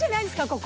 ここ。